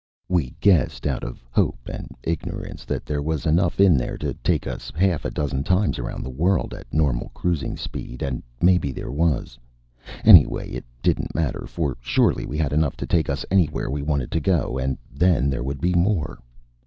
We guessed, out of hope and ignorance, that there was enough in there to take us half a dozen times around the world at normal cruising speed, and maybe there was. Anyway, it didn't matter, for surely we had enough to take us anywhere we wanted to go, and then there would be more.